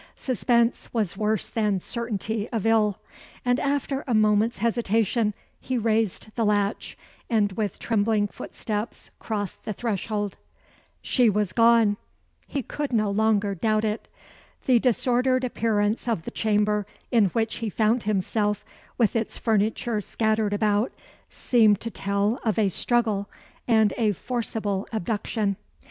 Suspense was worse than certainty of ill: and after a moment's hesitation, he raised the latch, and with trembling footsteps crossed the threshold. She was gone he could no longer doubt it. The disordered appearance of the chamber in which he found himself, with its furniture scattered about, seemed to tell of a struggle, and a forcible abduction.